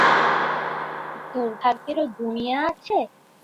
দুর্ভাগ্যেরও দুনিয়া আছে?